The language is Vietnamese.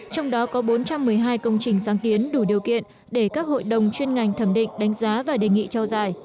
trong đó có bốn trăm một mươi hai công trình sáng kiến đủ điều kiện để các hội đồng chuyên ngành thẩm định đánh giá và đề nghị trao giải